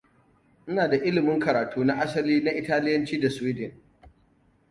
Ina da ilimin karatu na asali na Italiyanci da Sweden.